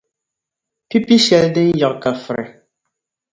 Pipi’ shɛli din yiɣi ka firi.